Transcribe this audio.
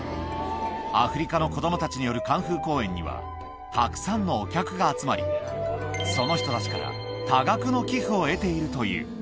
アフリカの子どもたちによるカンフー公演には、たくさんのお客が集まり、その人たちから多額の寄付を得ているという。